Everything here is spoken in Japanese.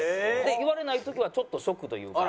言われない時はちょっとショックというか。